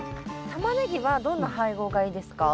タマネギはどんな配合がいいですか？